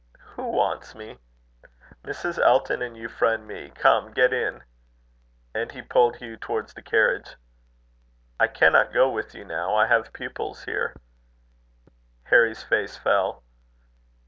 "Who wants me?" "Mrs. Elton and Euphra and me. Come, get in." And he pulled Hugh towards the carriage. "I cannot go with you now. I have pupils here." Harry's face fell.